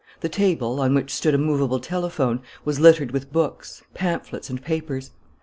The table, on which stood a movable telephone, was littered with books, pamphlets, and papers.